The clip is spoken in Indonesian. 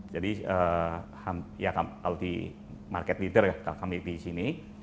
jadi ya kalau di market leader ya kalau kami di sini